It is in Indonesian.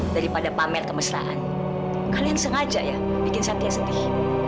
daripada pamer kemesraan kalian sengaja ya bikin satya sedih